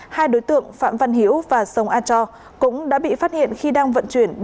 hai đối tượng phạm văn hiễu và sông a cho cũng đã bị phát hiện khi đang vận chuyển